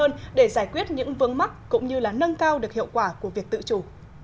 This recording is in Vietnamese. hoàn thiện hơn để giải quyết những vấn mắc cũng như là nâng cao được hiệu quả của việc tự chủ